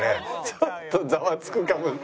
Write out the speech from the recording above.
ちょっとザワつくかも。